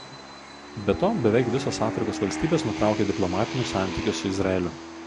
Be to beveik visos Afrikos valstybės nutraukė diplomatinius santykius su Izraeliu.